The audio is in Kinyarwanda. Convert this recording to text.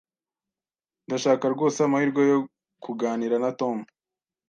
Ndashaka rwose amahirwe yo kuganira na Tom.